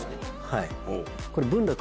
はい。